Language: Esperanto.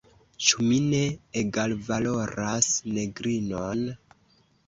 Ĉu mi ne egalvaloras negrinon?